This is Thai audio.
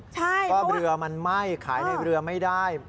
เพราะเรือมันไหม้ขายในเรือไม่ได้